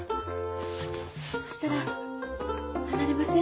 そしたら離れません。